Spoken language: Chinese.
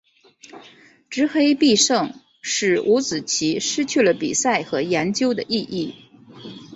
执黑必胜使五子棋失去了比赛和研究的意义。